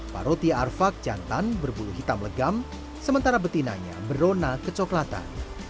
paroti arfak jantan berbulu hitam legam sementara betinanya berona kecoklatan